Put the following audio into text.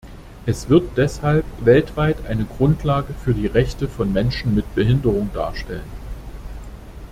Es wird deshalb weltweit eine Grundlage für die Rechte von Menschen mit Behinderungen darstellen.